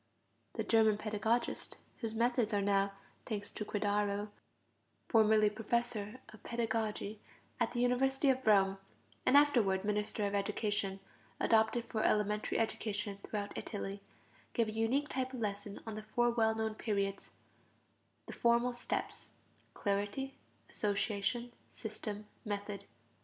The German pedagogist, whose methods are now, thanks to Credaro, formerly Professor of Pedagogy at the University of Rome, and afterward Minister of Education, adopted for elementary education throughout Italy, gave a unique type of lesson on the four well known periods (the formal steps): clarity, association, system, method.